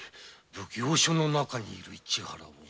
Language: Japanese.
奉行所の中にいる市原を？